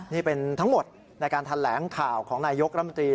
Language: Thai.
นี่เป็นทั้งหมดในการแถลงข่าวของนายยกรมตรี